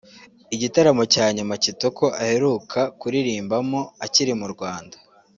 Igitaramo cya nyuma Kitoko aheruka kuririmbamo akiri mu Rwanda